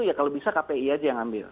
ya kalau bisa kpi aja yang ambil